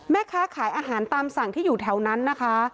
แม่ค้าขายอาหารตามสั่งที่อยู่แถวนั้นนะคะ